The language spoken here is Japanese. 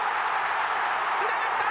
つながった！